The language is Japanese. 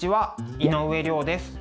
井上涼です。